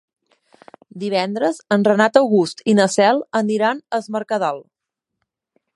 Divendres en Renat August i na Cel aniran a Es Mercadal.